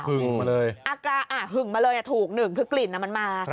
หึ่งมาเลยอ่ะหึ่งมาเลยถูกหนึ่งคือกลิ่นน่ะมันมา